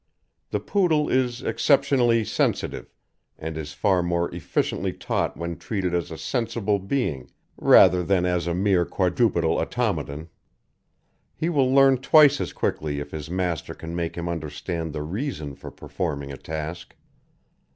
The Poodle is exceptionally sensitive, and is far more efficiently taught when treated as a sensible being rather than as a mere quadrupedal automaton. He will learn twice as quickly if his master can make him understand the reason for performing a task.